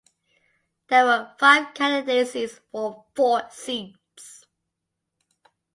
There were five candidacies for four seats.